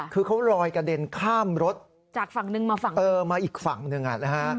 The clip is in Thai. คือเขาลอยกระเด็นข้ามรถจากฝั่งหนึ่งมาฝั่งเออมาอีกฝั่งหนึ่งอ่ะนะฮะ